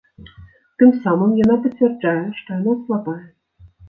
Тым самым яна пацвярджае, што яна слабая.